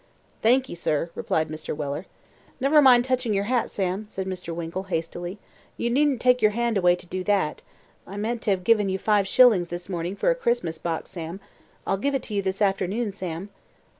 "Thank'ee, sir," replied Mr. Weller. "Never mind touching your hat, Sam," said Mr. Winkle, hastily. "You needn't take your hand away to do that. I meant to have given you five shillings this morning for a Christmas box, Sam. I'll give it to you this afternoon, Sam."